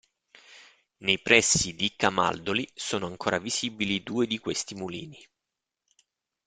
Nei pressi di Camaldoli sono ancora visibili due di questi mulini.